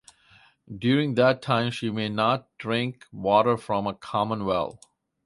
During that time she may not drink water from a common well.